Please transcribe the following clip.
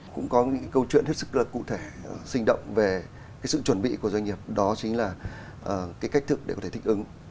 cũng có những câu chuyện hết sức là cụ thể sinh động về cái sự chuẩn bị của doanh nghiệp đó chính là cái cách thức để có thể thích ứng